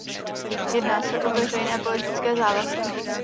Jedná se o veřejné politické závazky.